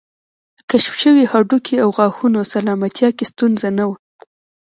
کشف شوي هډوکي او غاښونه سلامتیا کې ستونزه نه وه